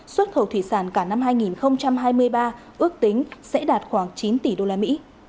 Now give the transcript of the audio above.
xuất khẩu thủy sản cả năm hai nghìn hai mươi ba ước tính sẽ đạt khoảng chín tỷ usd